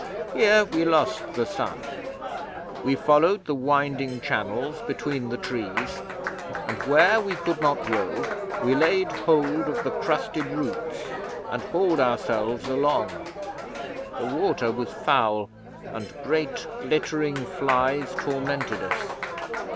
Here we lost the sun. We followed the winding channels between the trees, and where we could not row we laid hold of the crusted roots and hauled ourselves along. The water was foul, and great glittering flies tormented us.